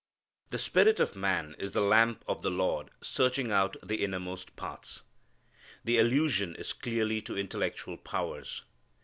"The spirit of man is the lamp of the Lord searching out the innermost parts." The allusion is clearly to intellectual powers.